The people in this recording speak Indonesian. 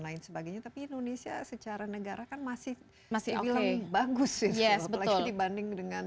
lain sebagainya tapi indonesia secara negara kan masih masih oke bagus sih ya betul dibanding dengan